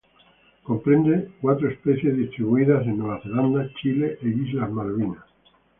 Comprende cuatro especies distribuidas en Nueva Zelanda, Chile e Islas Malvinas.